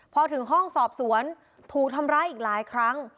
พอถึงห้องสอบสวนถูกทำร้ายอีกหลายครั้ง